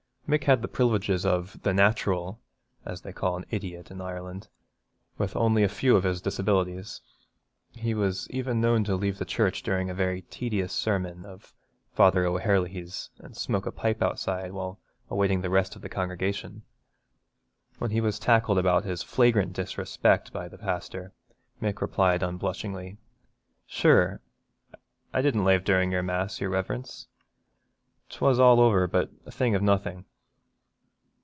Mick had the privileges of 'the natural,' as they call an idiot in Ireland, with only a few of his disabilities. He was even known to leave the church during a very tedious sermon of Father O'Herlihy's and smoke a pipe outside while awaiting the rest of the congregation. When he was tackled about this flagrant disrespect by his pastor, Mick replied unblushingly, 'Sure, I didn't lave durin' the mass, your Reverence: 'twas all over but a thing of nothing.'